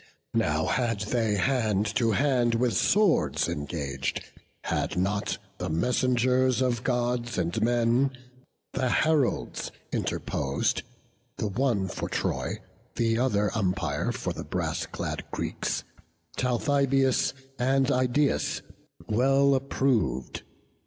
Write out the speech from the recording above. Now had they hand to hand with swords engag'd, Had not the messengers of Gods and men, The heralds, interpos'd; the one for Troy, The other umpire for the brass clad Greeks, Talthybius and Idaeus, well approv'd.